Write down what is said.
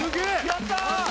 やったー！